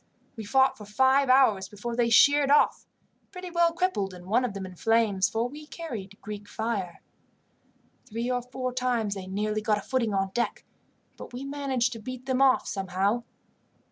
We fought for five hours before they sheered off, pretty well crippled, and one of them in flames, for we carried Greek fire. "Three or four times they nearly got a footing on deck, but we managed to beat them off somehow.